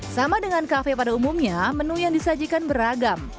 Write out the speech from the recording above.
sama dengan kafe pada umumnya menu yang disajikan beragam